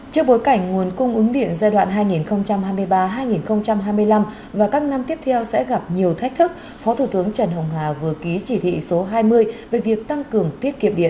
trước bối cảnh nguồn cung ứng điện giai đoạn hai nghìn hai mươi ba hai nghìn hai mươi năm và các năm tiếp theo sẽ gặp nhiều thách thức phó thủ tướng trần hồng hà vừa ký chỉ thị số hai mươi về việc tăng cường tiết kiệm điện